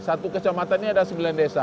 satu kecamatan ini ada sembilan desa